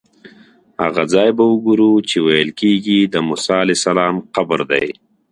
هغه ځای به وګورو چې ویل کېږي د موسی علیه السلام قبر دی.